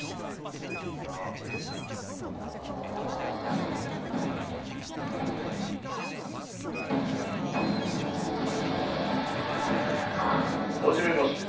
ん？はじめまして。